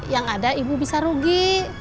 yang ada ibu bisa rugi